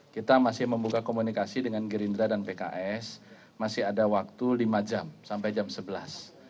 kita masih membuka komunikasi dengan gerindra dan pks masih ada waktu lima jam sampai jam sebelas